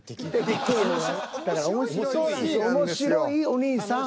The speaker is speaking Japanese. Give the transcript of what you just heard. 面白いおにいさん。